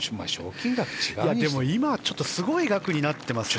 でも今すごい額になっていますよね。